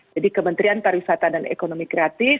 jadi kementerian para wisata dan ekonomi kreatif